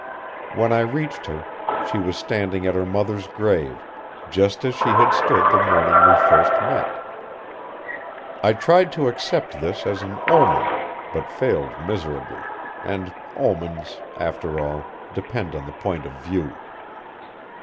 When I reached her, she was standing at her mother's grave, just as she had stood the morning we first met. I tried to accept this as an omen, but failed miserably, and omens, after all, depend on the point of view.